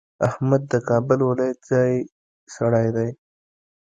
احمد د کابل ولایت ځای سړی دی.